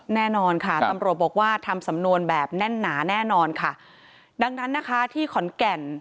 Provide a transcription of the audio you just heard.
แน่นอนค่ะตำรวจบอกว่าทำสำนวนแบบแน่นหนาแน่นอนค่ะดังนั้นนะคะที่ขอนแก่น